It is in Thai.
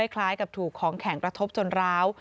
คล้ายกับถูกของแข็งกระทบจนร้าว